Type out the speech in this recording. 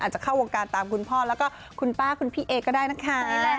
จะเข้าวงการตามคุณพ่อแล้วก็คุณป้าคุณพี่เอก็ได้นะคะ